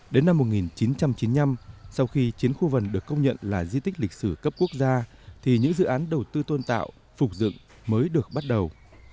đến năm một nghìn chín trăm chín mươi năm sau khi chiến khu vần được công nhận là di tích lịch sử cấp quốc gia thì những dự án đầu tư tôn tạo phục dựng mới được bắt đầu